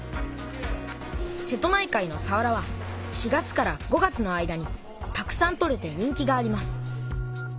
瀬戸内海のさわらは４月から５月の間にたくさん取れて人気があります。